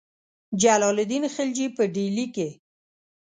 جلال الدین خلجي په ډهلي کې.